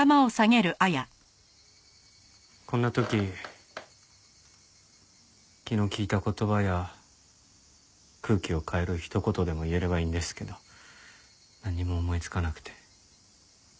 こんな時気の利いた言葉や空気を変える一言でも言えればいいんですけどなんにも思いつかなくて。